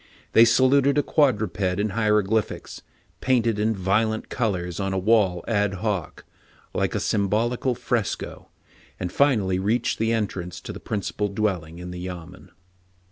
They saluted a quad ruped in hieroglyphics, painted in violent colors on a wall ad hoc, like a symbolical fresco, and finally reached the entrance to the principal dwell ing in the yamen.